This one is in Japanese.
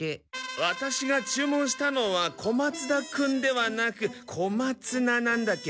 ワタシが注文したのは小松田君ではなく小松菜なんだけど。